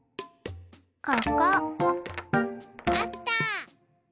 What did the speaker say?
ここ。あった。